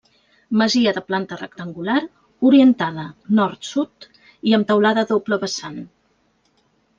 Masia de planta rectangular, orientada nord-sud i amb teulada a doble vessant.